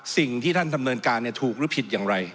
สิ่งที่ท่านดำเนินการถูกหรือผิดอย่างไร